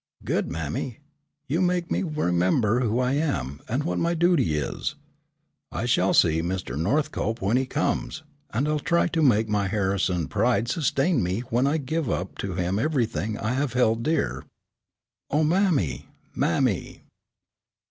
"Good, mammy, you make me remember who I am, and what my duty is. I shall see Mr. Northcope when he comes, and I'll try to make my Harrison pride sustain me when I give up to him everything I have held dear. Oh, mammy, mammy!"